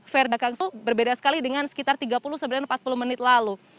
ferry bakang itu berbeda sekali dengan sekitar tiga puluh sampai empat puluh menit lalu